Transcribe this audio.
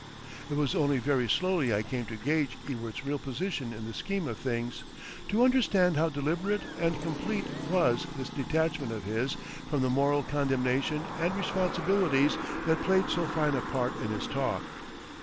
It was only very slowly I came to gauge Ewart's real position in the scheme of things, to understand how deliberate and complete was this detachment of his from the moral condemnation and responsibilities that played so fine a part in his talk.